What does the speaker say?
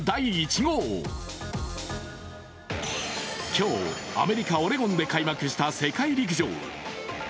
今日、アメリカ・オレゴンで開幕した世界陸上。